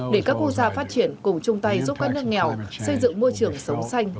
để các quốc gia phát triển cùng chung tay giúp các nước nghèo xây dựng môi trường sống xanh